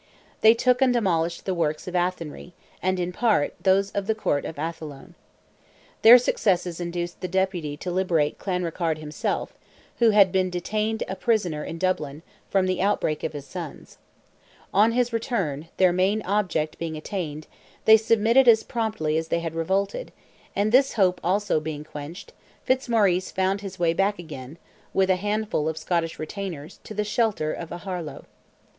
They took and demolished the works of Athenry, and, in part, those of the Court of Athlone. Their successes induced the Deputy to liberate Clanrickarde himself, who had been detained a prisoner in Dublin, from the outbreak of his sons. On his return—their main object being attained—they submitted as promptly as they had revolted, and this hope also being quenched, Fitzmaurice found his way back again, with a handful of Scottish retainers, to the shelter of Aharlow.